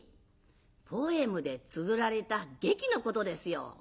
「ポエムでつづられた劇のことですよ」。